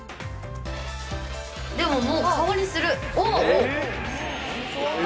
でももう香りする。